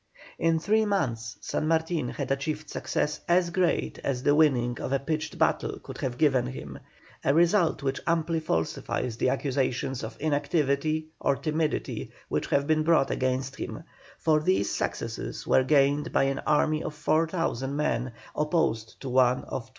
In three months San Martin had achieved success as great as the winning of a pitched battle could have given him, a result which amply falsifies the accusations of inactivity or timidity which have been brought against him, for these successes were gained by an army of 4,000 men opposed to one of 23,000.